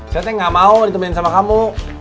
saya nggak mau ditemani sama kamu